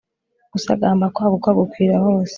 gusagamba kwaguka, gukwira hose